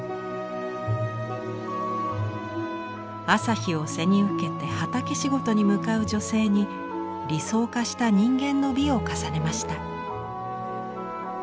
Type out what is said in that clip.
朝日を背に受けて畑仕事に向かう女性に理想化した人間の美を重ねました。